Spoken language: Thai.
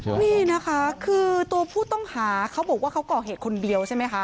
นี่นะคะคือตัวผู้ต้องหาเขาบอกว่าเขาก่อเหตุคนเดียวใช่ไหมคะ